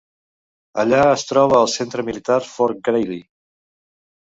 Allà es troba el centre militar Fort Greely.